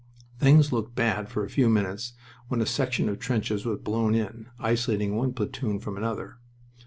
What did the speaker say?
Things looked bad for a few minutes when a section of trenches was blown in, isolating one platoon from another.